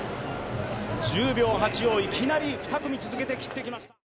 １０秒８をいきなり２組続けて切ってきました。